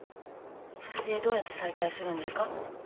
それでどうやって再会するんですか？